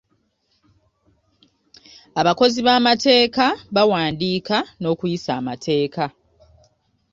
Abakozi b'amateeka bawandiika n'okuyisa amateeka.